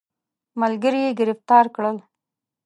ملګري یې ګرفتار کړ.